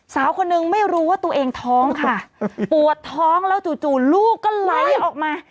สาวคนนึงไม่รู้ว่าตัวเองท้องค่ะปวดท้องแล้วจู่จู่ลูกก็ไหลออกมา